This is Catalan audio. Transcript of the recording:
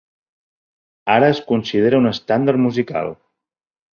Ara es considera un estàndard musical.